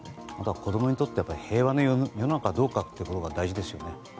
子どもにとって平和な世の中かどうかが大事ですね。